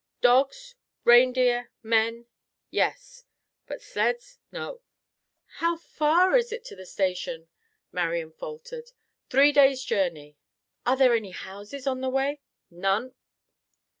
Dogs, reindeer, men, yes; but sleds, no." "How far is it to the station?" Marian faltered. "Three days journey." "Are there any houses on the way?" "None."